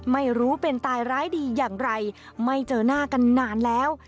ไม่รู้เป็นตายร้ายดีอย่างไรไม่เจอหน้ากันนานแล้ว